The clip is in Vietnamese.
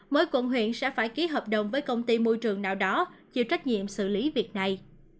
mỗi quận huyện sẽ phải ký hợp đồng với công ty môi trường nào đó chịu trách nhiệm xử lý việc này